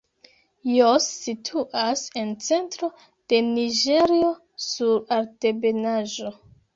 Jos situas en centro de Niĝerio sur altebenaĵo.